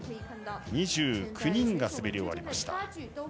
２９人が滑り終わりました。